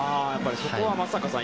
そこは松坂さん